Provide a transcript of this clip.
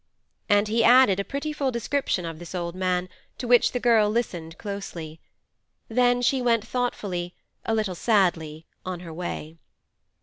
And he added a pretty full description of this old man, to which the girl listened closely. Then she went thoughtfully—a little sadly—on her way.